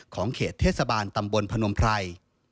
ของเขตเทศบาลตำบลพนมภรรย์